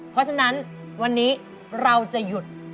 เพราะฉะนั้นวันนี้เราจะหยุด